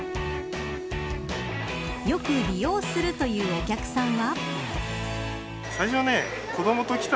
よく利用するというお客さんは。